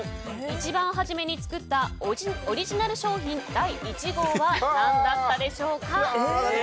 一番最初に作ったオリジナル商品第１号は何だったでしょうか。